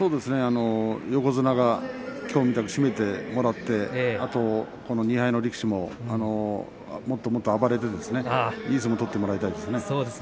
横綱がきょうみたく締めてもらって２敗の力士ももっともっと暴れていい相撲を取ってもらいたいですね。